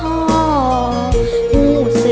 ขอบคุณค่ะ